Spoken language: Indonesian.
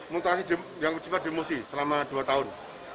mutasi yang sifat demosi selama dua tahun